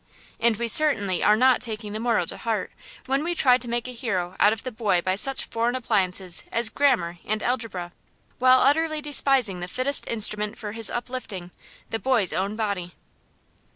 And we certainly are not taking the moral to heart when we try to make a hero out of the boy by such foreign appliances as grammar and algebra, while utterly despising the fittest instrument for his uplifting the boy's own body.